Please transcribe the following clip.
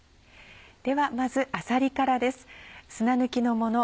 ではまずあさりからです。